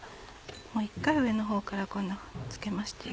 もう一回上のほうからこんなふうにつけまして。